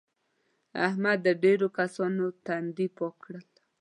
احمد د ډېرو کسانو تندي پاک کړل.